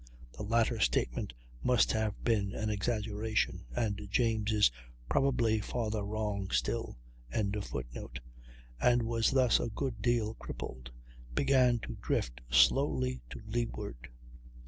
The latter statement must have been an exaggeration; and James is probably farther wrong still] and was thus a good deal crippled, began to drift slowly to leeward.